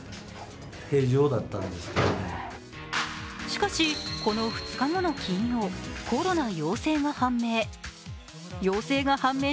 しかし、この２日後の金曜コロナ陽性が判明。